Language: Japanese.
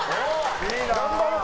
頑張ろう。